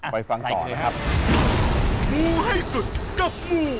ไปฟังต่อนะครับ